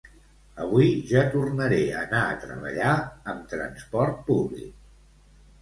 Avui ja tornaré a anar a treballar amb transport públic